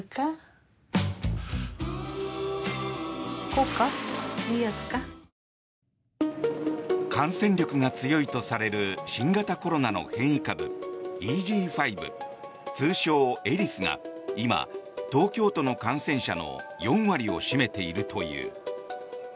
今、特に注意が必要なのが感染力が強いとされる新型コロナの変異株、ＥＧ．５通称エリスが今、東京都の感染者の４割を占めているという。